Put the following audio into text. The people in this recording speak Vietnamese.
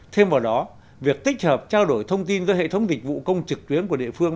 thêm vào đó việc tích hợp trao đổi thông tin giữa hệ thống dịch vụ công trực tuyến của địa phương